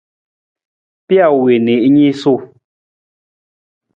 Pijo wii na i niisuu.